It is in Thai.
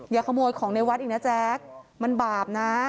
ขโมยของในวัดอีกนะแจ๊คมันบาปนะ